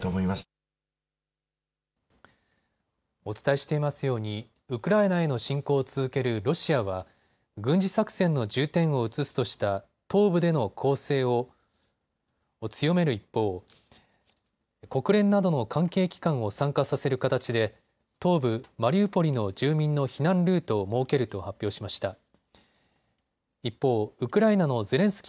お伝えしていますようにウクライナへの侵攻を続けるロシアは軍事作戦の重点を移すとした東部での攻勢を強める一方、国連などの関係機関を参加させる形で東部マリウポリの住民の避難ルートを設けると発表しました。